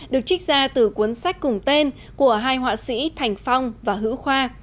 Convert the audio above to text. được trích ra từ cuốn sách cùng tên của hai họa sĩ thành phong và hữu khoa